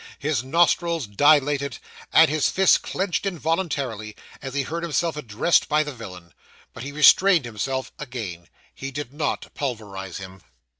His nostrils dilated, and his fists clenched involuntarily, as he heard himself addressed by the villain. But he restrained himself again he did not pulverise him.